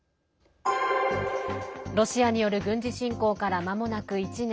ロシアによる軍事侵攻からまもなく１年。